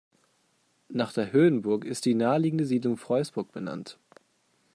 Nach der Höhenburg ist die naheliegende Siedlung Freusburg benannt.